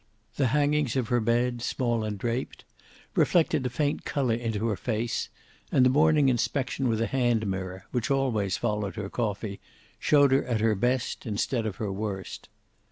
The hangings of her bed, small and draped, reflected a faint color into her face, and the morning inspection with a hand mirror, which always followed her coffee, showed her at her best instead of her worst.